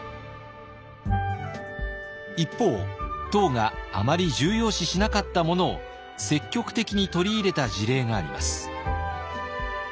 一方唐があまり重要視しなかったものを積極的に取り入れた事例があります。